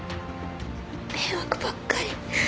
迷惑ばっかり。